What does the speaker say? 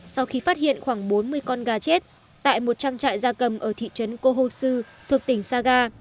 sau khi phát hiện khoảng bốn mươi con gà chết tại một trang trại gia cầm ở thị trấn kohosu thuộc tỉnh saga